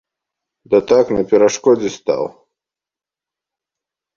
Да так, на перашкодзе стаў.